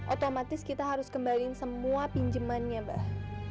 otomatis kita harus kembaliin semua pinjemannya mbak